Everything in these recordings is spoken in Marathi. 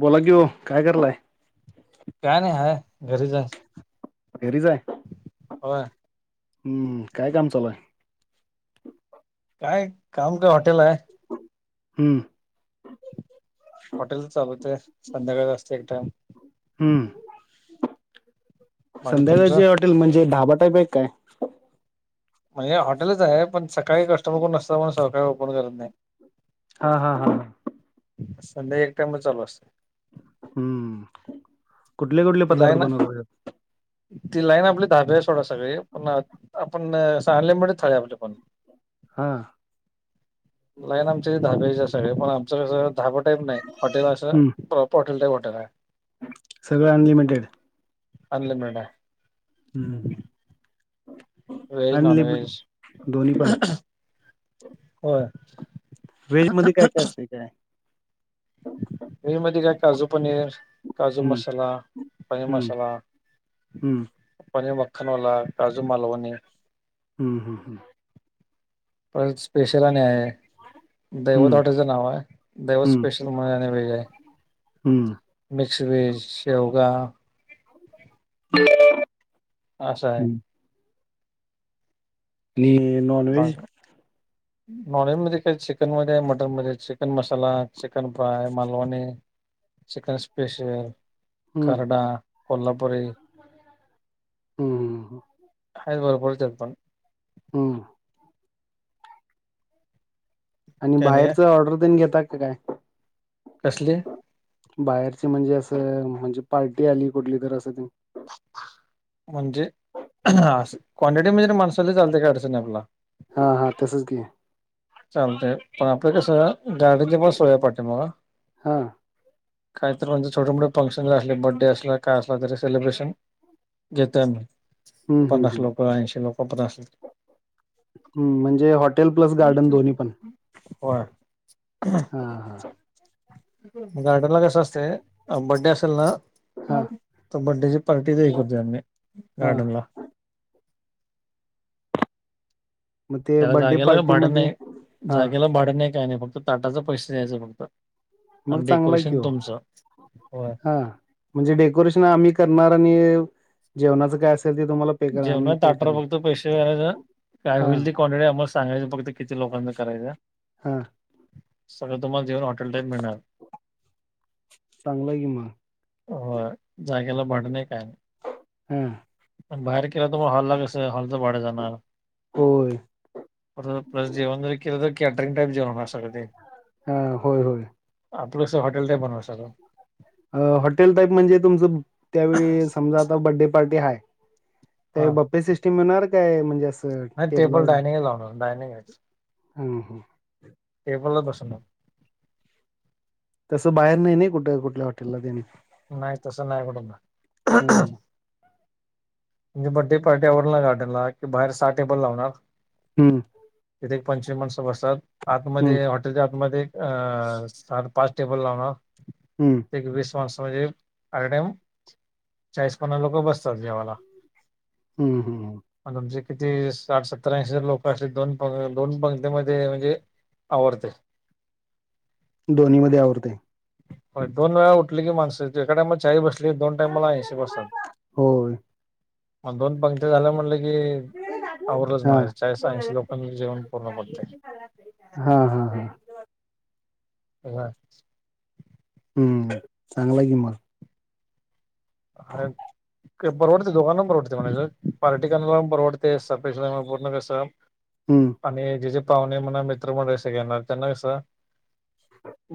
बोला घेऊ काय करलाय काय नाही हाय घरीच आहे घरीच हाय होय हम्म काय काम चालूय काय काम का हॉटेल आहे हम्म हॉटेल चालत आहे संध्याका असते एक टाइम हम्म बाकी तुमचं संध्याकाळचे हॉटेल म्हणजे ढाबाटापेक हाय काय म्हणजे हॉटेलच आहे पण सकाळी कस्टमर कोण असतं म्हण सकाळी ओपन करत नाही हा हा हा संडे एक टाइम म चालू असते हम्म कुठले कुठले ती पदार्थ लाईन बनवतत ती लाईन आपली धाब्या आहे सोडा सगळी पण आपण सांले म्हच थले आपले कोणी हां लाईन आमची धाब्याची सगळ पण आमचं कसं धाबं टाईम नाही हॉटेल असं हम्म प्र [unintelligible] [inaudible] सगळं अनलिमिटेड अनलिमड आहे अलिमिटेड व्हेज नॉन व्हेज [unintelligible] होय व्हेज मध्ये काय काय असत इकय व मध्ये काय काजू पनीर काजू हम्म मसाला पनीर हम्म मसाला. हम्म. पनीर मखनवाला काजू मालवणी. हम्म हम् हम्. पर स्पेशल आणि आहे दैवत हम्म हॉटेलचं नाव आहे दैवत हम्म स्पेशल म्हण हम्म मिक्स वेज योग [inaudible] असा आहे. हम्म नि नॉनवेहेज. [inaudible] नॉनवे्ज मध्ये काही चिकन मध्ये मटन मध्ये chicken masala chicken fry Malvani. Chicken special हम्म खर्ड कोल्हापुरी. [inaudible] हच बरोबरल पण हम. आणि काय काय बाहेरच ऑर्डर देऊन घेतात का काय. कसले. बाहेरची म्हणजे असं म्हणजे पार्टी आली कुठली तर असं. म्हणजे अस क्वांटिटी म्हणजे माणसाला चालते काय अडचणी आपला. हा हा तसच घे. चालते पण आपल्या कसं गाडीच्या पण सोयया पाठीे मग. हां. काही तर म्हणजे छोट मोठे फंक्शन ज असले बर्थडे असलं काय असला त सेलिब्रेशन. घेतोम्ही हम्म हम्म पन्नास हम्म लोक ऐंशी लोक पननास लोक. हम्म म्हणजे हॉटेल प्लस गार्डन दोन्ही पण होय हा हा गार्डन ला कस असते बड्डे असेल ना. हा तर बर्डेची पार्ट दे करते आे हा गार्डन ला. मग ते त्याला बड्डे जागेला पार्टी भाड मध्ये नाही हा जागेला भाडं नाही काय नाही फक्त ताटाचा पैसे द्यायचं फक्त. मग आणि चांगला आहे कि डेकोरेशन ओ तुमचं होय. हा म्हणजे डेकोरेशन आम्ही करणार आणि जेवणाचं काय असेल ते तुम्हाला. पे करा आम्ही जेवण पे ताटर करणार फक्त पैसे वयच. काय हा होईल ते क्वांटिटीम्हाला सांगायची फक् किती लोकांना करायचं. हा. सगळं तुम्हाला घऊन हॉटेल टाईम मिळणार. चांगलं आहे की मग हो जागेला भडणे काय नाही. हम. बाहेर केेला तुम्हा हॉल लागे हॉल तर वाढा जाणार. होय प्लस जेवण तरी केलं कॅटरिंग टाईप जेवण. न ते हा होय होय आपलंस हॉटेल नाही बनवात. अ हॉटेल टाईप म्हणजे तुमचं त्यावेळी समजा आता बर््डे पार्टी हा. ते हा बप्पे सिस्टीम मिळणार काय म्हणजे अस नाही टेबल डयनंग लावून डानिंगची. ह ह. ते पलत बस ना. तसं बाहेर नाही नाही कुठे कुठल्या हॉटेलला देणे. नाही तसं नाही म्हणून. हो म्हणजे बर््डे पार्टीवर ना गार्डनला कि बाहेर सहा टेबल लावणार. हम्म तिथे पंचमाणस असतात हम्म आतमध्येध्ये हॉटे च्या आतमध्ये अ पाच टेबल लाव ना. हम्म! एक वीस वार्ष म्हणजे अट टाइम चाळीस पन्नास लोक बसतात जेवा्हाला. हम् हम! तुमचे किती साठ सत्तराऐंशी ज लोक असले दोन प दोन पंक्तीमध्येध्ये म्हणजे, आवरतंय. दोन्हीमध्ये आवरतंय. हो दोन वेळा उठले की माणस एका टाइम चाही बसली दोन टाइम मला ऐंशी बसतात. होय. दोन पंगत्या झाल्या म्हटलं की आवरलं हा म्हणायचं. चाळीस‌ ऐंशी लोकांचे जेवण पूर्ण पडतय. हा हा हा. [unintelligible] हम्! चांगलं कि मगं. [unintelligible] परवडते दोकान प पररवडते म्ह पार्टी करणाला प परवडते सपेक्ष पूर्ण कस, [inaudible] हम्म! आणि जे जे पाहुणे म्हणा मित्र मंसे घ येणार त्यांना कसं,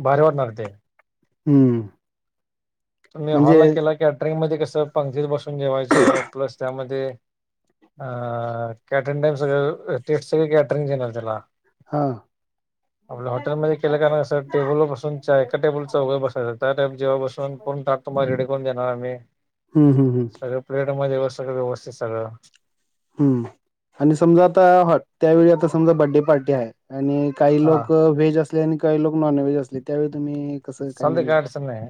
भारी वाटणार ते, हम्म तुमी म्हणजे हॉलला केला कीड्रिंग मध्ये कस पंगतीत ब सून जेवायचं प्लस त्यामध्ये, अ कॅटरिंग टाइम सगळं टि सगळे कॅटरिंग जनल त्याला. हा आपल्या हॉटेलमध्ये केल्या कारणं कसं, टेबल बसून चा एका टेबलचा उघे बसायचचा त्या जे्हा बसून पण टा तुमला रेडी करून देणार आम्ही, हम् हम्म हम्. प्लेट मध्ये सगळं व्यवस्थित सगळं. हम्म, आणि समजा आता ह त्यावेळी आता समजा बर्डे पार्टी आहे आणि काही हा लोक व्हेज असले आणि काही लोक नॉन व्हेज असले त्यावेळी तुम्ही कसं चालते मॅनेज काय करता अडचण नाही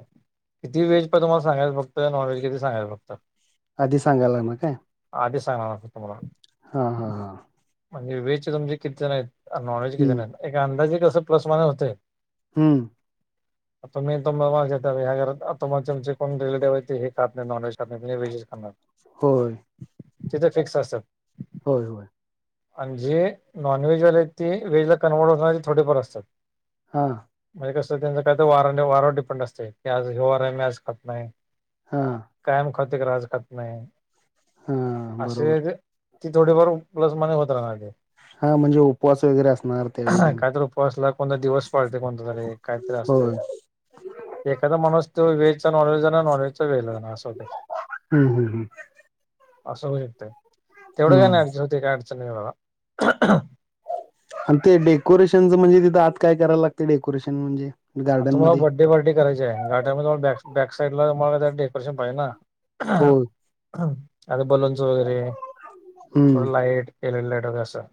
किती व्हेज प तुम्हाला सांगयं फक्त नॉन व्हेज किती सांगायच फक्त. आधी सांगायला ना काय [unintelligible] हा हा हा म्हणजे व्हेजचे तुमचे कितीजन आहेत नॉन व्हेज कितीजन हम्म आहेत. एक अंदाजे कसं प्लस मायनस होते. हम्म! [unintelligible] आमचे कोण रिलेटिव्ह आहेत ते. घातले ते नॉनव्हेज खात ते व्हेजिट खाणार. होय. तिथे फिक्स असत्यात. होय, होय. आणि जे नॉनव्हेजवाले आहेत ते व्हेज ला कन्व्हर्ट होणार ते थोडेफार असतात. हा. म्हणजे कसं त्यांच काय तर वार वारवर डिपेंड असतते की आज ह्यव वार आहे मी आज खत नाही. हा. कायम खातोय खरं आज खात नाही. हा अशी बरोबर जे ती थोडीफार प्लस मने होत राहणार. हा म्हणजे उपवास वगैरे असणार त्यावेळी त्यानी कायतरी उपासला कोणता दिवस पळते कोणता तरी काय, होय एखादा माणूस तो व्हेजचा नॉन व्हेजचा ना नॉन व्हेजचा वेहेज ना असं होते. हम् हम् हम्. असं होऊ शकत. तेवढं काय हम्म नाही अडचण ते काय अडचण नाही सोडा. आणि ते डेकोेशनच म्हणजे तिथं आत काय कराय लागते डेकोरेशन म्हणजे, आ गार्डन तुम्हाला मध्ये बथडे पार्टी करायची आहे. गार्डन बॅक साईड ला तुम्हाला त्या डेरेशन पाहिजे ना. हो [unintelligible] आता बोलून स वगैरे हम्म थोडं लाईट. एलईडी लाईट वगैरे असं.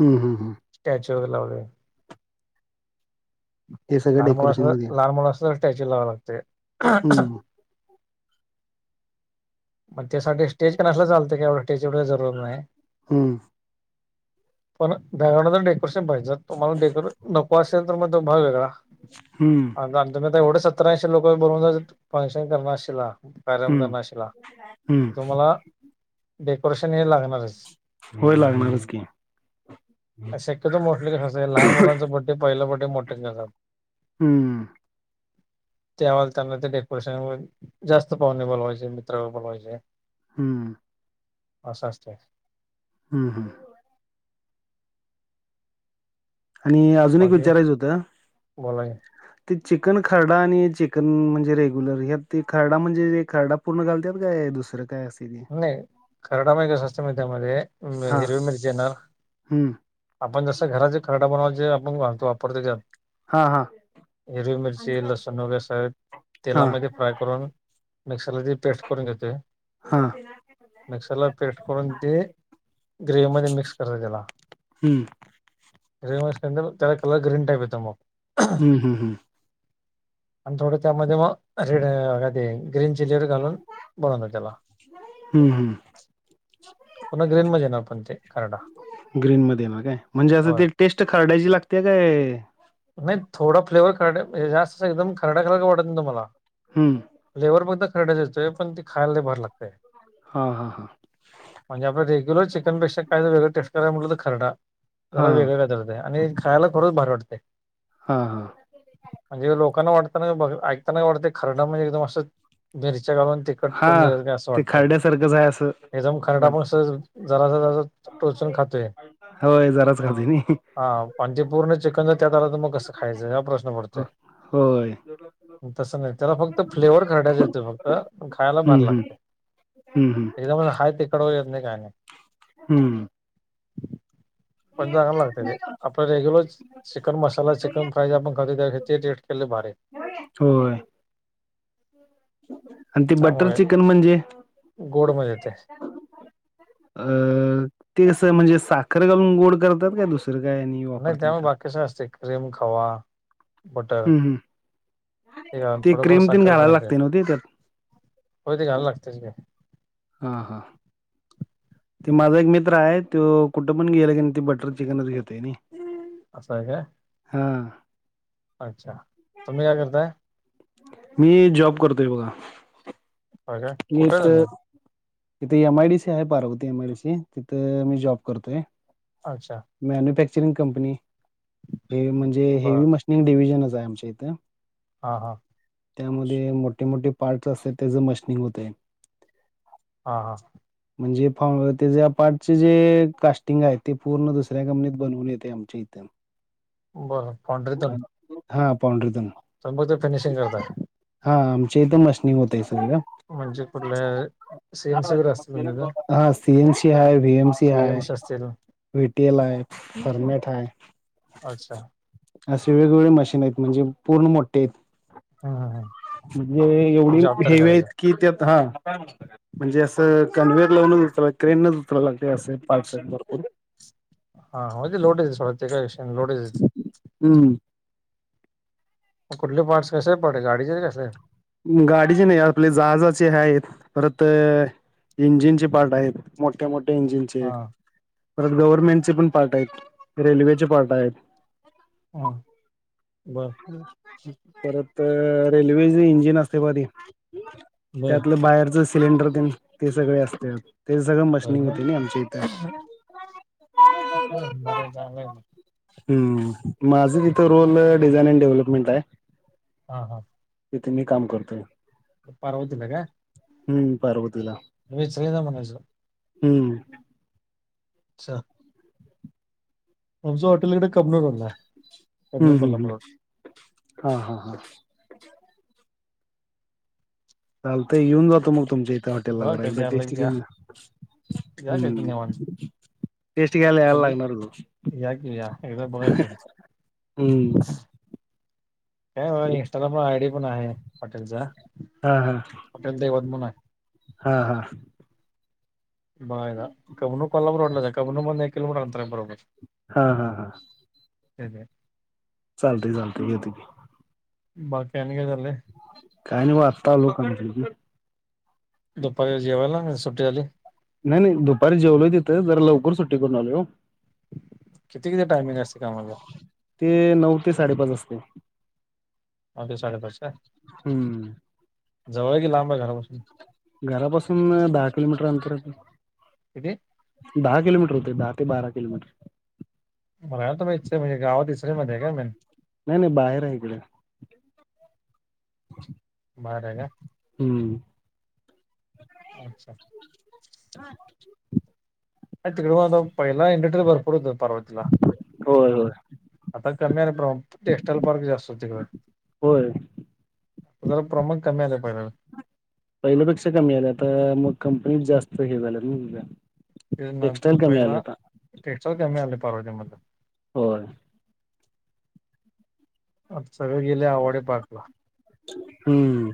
हं हं हं त्याच व लाव हे सगळं लहान मुला अस डेकोरेशन मध्ये लहान मुला असं तर टॅचेर लावं लागते हम् मग त्यासाठी स्टेज कण असलं चालतं कि एवढं स्टेज एवढ जर नाही हम्म पण बग डेकोरेशन पाहिजे तुम्हाला डेकोरे नको ंत्र मध्ये भाव वेगळा हम्म तुम एवढे सतराऐंशी लोक बरून फंक्शन करणारशला कार्यकम हम्म करणारशिला हम्म तुम्हाला डेकोरेशन हे लागणारच होय लागणारच की शक्यत मोठले कं लहान मुलांचं ब पहिला पटे मोटंग स हम्म त्यावेला त्यांना ते डेकोरेशन जास्त पाहणे बोलवायचे बलाये हम्म अस असतते हम हम आणि अजून एक बाकी विचारायचं होतं बोला की ते चिकन खरडा आणि चिकन म्हणजे रेग्युलर ह ते खरडा म्हणजे खरडा पूर्ण घालतात काय दुसरं काय अस नाही कराडा मा का स्वस्त म त्यामध्ये हा हिरवी मिरची येणार हम्म आपण जसं घराचे खराडा बनवा जे आपणतो वापरतो त्यात हा हा हिरवी मिरची लसूण वगैरे स हा तेलामध्ये फ्राय करून मिक्सरलाी पेस्ट करून घेते हा मिक्सरला पेट करून ते ग्रेवी मध्ये मिक्स करते त्याला हम्म म तेला कल ग्रीन टप पेत मग हम्म हम् हम् आणि थोडं त्यामध्ये मग रेड का ते ग्रीन चिली व घालून बनवत त्याला हम्म हम्म हो ग्रीन ममध्येे ना पण ते कारराण ग्रीन मध्ये ना काय म्हणजे असं होय. ते टेस्ट खरडायची लागते काय नाही थोडा फ्लेवर खरड जास्त एकदम खराड्या खरा वाटत नाही तुम्हाला हम्म लेबर बघा खरेयच येतो पण ते खायला भार लागतय हा हा हा म्हणजे आपण रेग्युलर चिकनपेक्षा काय वेगळ टेट कराय म्हलं तर खडा हा जरा वेगळं का कररते आणि खायला खरच भारी वाटते हा हा म्हणजे लोकांना वाटतना बघ ऐकताना का वाटतं खरड म्हणजे एकदम असं मिरच्या घलून टिकट कोून हा असं ते वाटत खरड्यासारखंच आहे असं एकदम खरडा वाट पण स जरा प्रोत्सहन खातोय होय जराच खते हा आणि ते पूर्ण चिकन त्यात आला तर मग कसं खायचं ह प्रश्न पडतोय होय तसं नाही त्याला फक्त फ्लेवर खराडयच येतोय फक्त खायला भार लागत हम् हम एकदा मला हाय ते कडव येत नाही काय नाही. हम्म पण चांगलं लागत ते आपल्या regular chicken masala chicken fry जे आपण खातोय ते टेस्ट केलेल भारी आहे आ [unintelligible] हो [unintelligible] आणि ते बटर त्यामुळे चिकन म्हणजे? गोड मध्ये येत अ ते कसं म्हणजे साखर घालून गोड करतात काय दुसरं काय आणि नाही वापरतात त्यामुळे त्यात? बाकीच असतय क्रीम खवा बटर हे [unintelligible] घालून ती थोडंफार क्रीम तेन घालायला लागतय नव्ह त्यात हो ते घालाय लागतच की. हा हा ते माझा एक मित्र आहे तो कुठं पण गेला की ती बटर चिकनच घेतय नाही. हम्म... असं आहे काय? अच्छा! तुम्ही काय करताय? मी जॉब करतोय बघा. होय काय कुठे आहे निसत तुम्ही इथे एमआयडीसी आहे. पार्वती एमआयडीसी तिथं मी जॉब करतोय. अच्छा! मॅन्युफॅक्चरिंग कंपनी हे म्हणजे बर हेवी मशिनिंग डिव्हिजनच आहे आमच्या इथं. हा हा त्यामध्ये मोठे मोठे पार्टस असत्यात त्याच मशनिंग होतय हा हा म्हणजे पार्टचे जे कास्टिंग आहे ते पूर्ण दुसऱ्या कंपनीत बनवून येतय आम्हा ठीक आहे बरं पांढरी तून हा पॉडरी तून तुम्ही फक्त फिनिशिंग करताय हा आमच्या इथ मशनींग होतय सगळं? म्हणजे कुठलं? [unintelligible] हा सीएमसी हाय वीएमसी व्ही एम हाय. सी असतील विटीएल हाय फरमेट हाय अच्छा! असे वेगवेगळे मशीन आहेत म्हणजे पूर्ण मोठे आहेत हं हं [unintelligible] म्हणजे हं एवढी जॉब तर हेवी आहेत करायचा की त्यात [unintelligible] हा म्हणजे असं कन्व्हेअर लावून क्रेनच. [unintelligible] असे पार्ट्स आहेत भरपूर हा हो ते लोड देते सोडाते काय विषय नाही लोडच [unintelligible] हम्म कुठले पार्टस कसे पडले आहेत गाडीचे आहे कसे आहे गाडीचे नाही आपले जहाजाचे आहेत परत इंजिनचे पार्ट आहेत. मोठ्या मोठ्या इंजिनचे, हां परत गव्हर्मेंटचे पण पार्ट आहेत, रेल्वेचे पार्ट आहेत. हां बरं [unintelligible] परत रेल्वे इंजिन इंजिन असतय बघा ते [unintelligible] बरं त्यातलं बाहेरच सिलेंडर तेन सगळ असतय. होय ना [unintelligible] बरं आहे चांगलंय आहे मग हम्म माझं तिथं रोल डिझाईन डेव्हलपमेंट आहे. हा हा तिथे मी काम करतोय. पार्वतीला काय? हम्म पार्वतीला. तुम्ही इचलकरंजीचा आहे म्हणायचं हम्म आमचं हॉटेल इकडं कबनूर रोडला आहे कबनूर हम्म- हम्म- हम्म कोल्हापूर रोड [inaudible] हा- हा -हा. चालंतय येऊन जातो म तुमच्या इ त्या हॉटेलला बघा जरा कधी एकदा आलं टेस्ट की या घेऊन [inaudible] या कधी हम्म निवांत टेस्ट घ्यायला याला कधी लागणारच या की या एकदा [inaudible] बघा हो की हम्म काय व्हय आणि इंस्टाला आयडी पण आहे हॉटेलच हा हा हॉटेल दैवत म्हणून आहे हा हा बाय [unintelligible] कबनूर कोल्हापूर रोडलंच कबनूर मधन एक किलोमीटर अंतर हाय बरोबर हा -हा- हा ते [unintelligible] चालतय -चालतय येतो की बाकी आणि काय चाललंय? काय नाही आत्ता आलो कंपनीतन [inaudible] दुपारी जेवायला का सुट्टी झाली? नाही -नाही दुपारी जेवलोय तिथं जरा लवकर सुट्टी करून आली हो किती- किती टाइमिंग असतय कामाच ते नऊ ते साडेपाच असतय नऊ ते साडे पाच काय? हम्म जवळ की लांब आहे घरापासून घरापासून दहा किलोमीटर अंतर असेल किती [inaudible] दहा किलोमीटर होतय दहा ते बारा किलोमीटर बर तुम इचछ म्हणजे गावातसरीमध्येध्ये का मन [unintelligible] नाही -नाही बाहेर आहे इकडं [inaudible] बाहेर आहे का अच्छा हा [inaudible] तिकडे मता पहिला इंडटरी भरपूर होत पार्वतीला होय होय आता कमी आल पार - टेक्स्टाईल पार्क जास्त हुते तिकडे होय जरा प्रमाण कमी आलं पाहिला पहिल्यापेक्षा कमी आल्या तर मग कंपनीत जास्त हे झालंत [unintelligible] टेक्स्टाईल कमी आलेय आता टेक्सटाइल कमी आल पार्वतीमधल होय आता सगळे गेले आवडे पार्कला [inaudible] हम्म